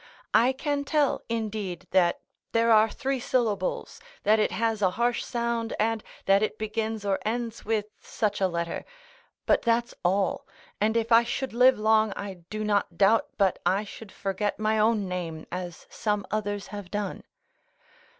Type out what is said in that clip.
I can tell indeed that there are three syllables, that it has a harsh sound, and that it begins or ends with such a letter; but that's all; and if I should live long, I do not doubt but I should forget my own name, as some others have done.